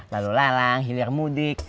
lalu lalang hilir mudik